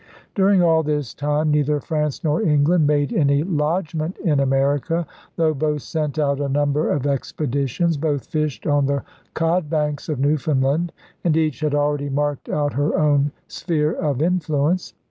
During all this time neither France nor England made any lodgment in America, though both sent out a number of expeditions, both fished on the cod banks of Newfoundland, and each had already marked out her own 'sphere of influence.